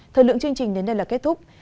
thời lượng chương trình đến đây là kết thúc